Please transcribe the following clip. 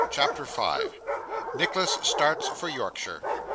CHAPTER 5 Nicholas starts for Yorkshire.